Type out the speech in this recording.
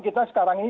kita sekarang ini